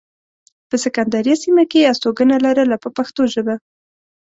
په سکندریه سیمه کې یې استوګنه لرله په پښتو ژبه.